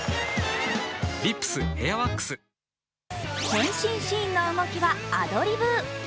変身シーンの動きはアドリブ。